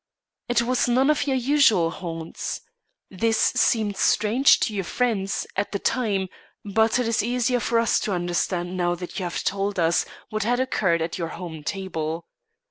It was none of your usual haunts. This seemed strange to your friends, at the time; but it is easier for us to understand, now that you have told us what had occurred at your home table.